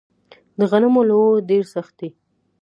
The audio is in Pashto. د غنمو لوو ډیر سخت دی